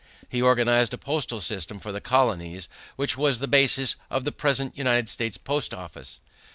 He organized a postal system for the colonies, which was the basis of the present United States Post Office.